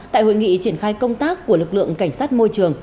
tại hội nghị triển khai công tác của lực lượng cảnh sát môi trường